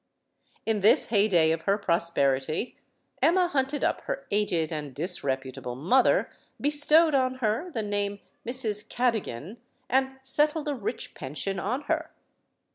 In this heyday of her prosperity, Emma hunted up 258 STORIES OF THE SUPER WOMEN her aged and disreputable mother, bestowed on her the name "Mrs. Cadogan," and settled a rich pension on her.